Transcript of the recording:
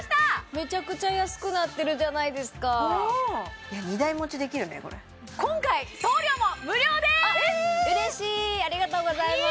めちゃくちゃ安くなってるじゃないですかいや２台持ちできるねこれ今回送料も無料です嬉しいありがとうございます